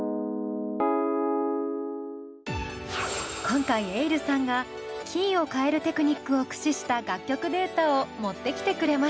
今回ｅｉｌｌさんがキーを変えるテクニックを駆使した楽曲データを持ってきてくれました。